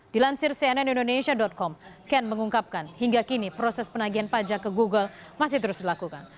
dilansir cnn indonesia com ken mengungkapkan hingga kini proses penagihan pajak ke google masih terus dilakukan